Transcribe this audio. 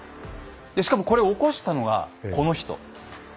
でしかもこれ起こしたのがこの人。